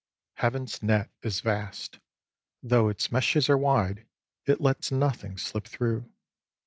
Heaven's net is vast; though its meshes are wide, it lets nothing slip through.